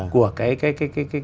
của cái cái cái cái